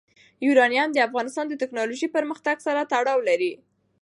یورانیم د افغانستان د تکنالوژۍ پرمختګ سره تړاو لري.